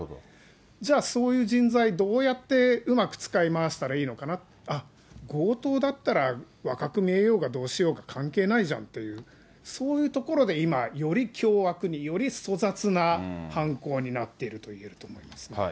じゃあ、そういう人材、どうやってうまく使い回したらいいのかな、あっ、強盗だったら、若く見えようがどうしようが関係ないじゃんっていう、そういうところで今、より凶悪に、より粗雑な犯行になっているといえると思いますね。